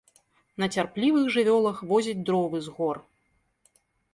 На цярплівых жывёлах возіць дровы з гор.